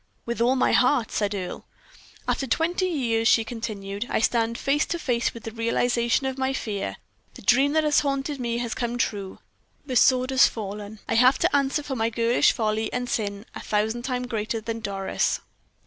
"With all my heart," said Earle. "After twenty years," she continued, "I stand face to face with the realization of my fear; the dream that has haunted me has come true; the sword has fallen; I have to answer for my girlish folly and sin a thousand times greater than Doris'!"